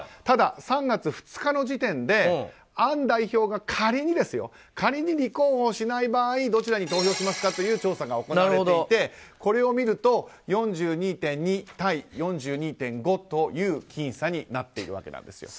ただ３月２日の時点でアン代表が仮に立候補しない場合どちらに投票しますかという調査が行われていてこれを見ると４２．２対４２．５という僅差になっているわけです。